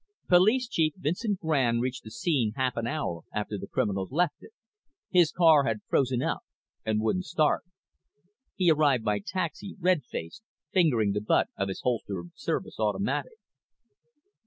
Police Chief Vincent Grande reached the scene half an hour after the criminals left it. His car had frozen up and wouldn't start. He arrived by taxi, red faced, fingering the butt of his holstered service automatic.